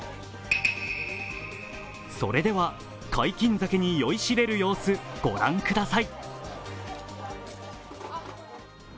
それでは解禁酒に酔いしれる様子、御覧ください。